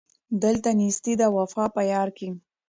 دلته نېستي ده وفا په یار کي